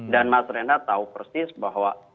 dan mas renda tahu persis bahwa